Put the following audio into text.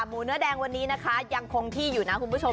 เนื้อแดงวันนี้นะคะยังคงที่อยู่นะคุณผู้ชม